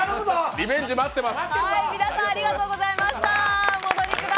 リベンジ待ってます。